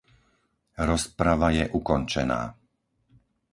Rozprava je ukončená.